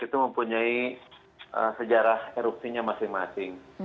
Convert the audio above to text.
itu mempunyai sejarah erupsinya masing masing